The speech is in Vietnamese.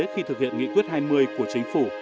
khi thực hiện nghị quyết hai mươi của chính phủ